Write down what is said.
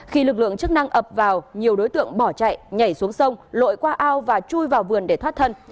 khi lực lượng chức năng ập vào nhiều đối tượng bỏ chạy nhảy xuống sông lội qua ao và chui vào vườn để thoát thân